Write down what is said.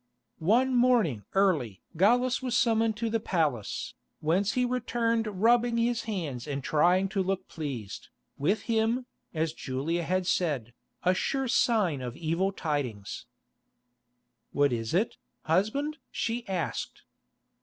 One morning early Gallus was summoned to the palace, whence he returned rubbing his hands and trying to look pleased, with him, as Julia had said, a sure sign of evil tidings. "What is it, husband?" she asked.